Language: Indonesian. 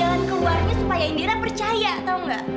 aku tuh lagi mikirin jalan keluarnya supaya indira percaya tau gak